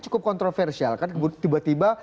cukup kontroversial kan tiba tiba